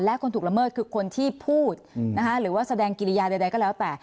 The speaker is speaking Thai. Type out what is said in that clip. และคนถูกละเมิดคือคนที่พูดหรือว่าแสดงกิริยาใดก็แล้วแต่